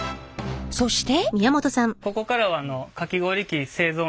そして。